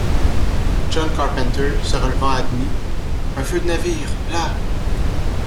John Carpenter, se relevant à demi: « Un feu de navire... là...